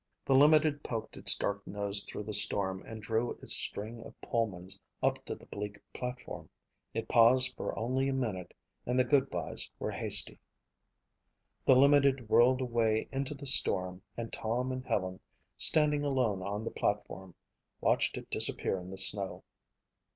The limited poked its dark nose through the storm and drew its string of Pullmans up to the bleak platform. It paused for only a minute and the goodbyes were hasty. The limited whirled away into the storm and Tom and Helen, standing alone on the platform, watched it disappear in the snow.